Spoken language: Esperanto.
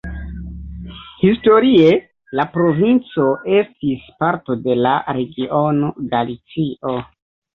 Historie la provinco estis parto de la regiono Galicio.